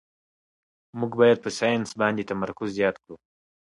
موږ باید په ساینس باندې تمرکز زیات کړو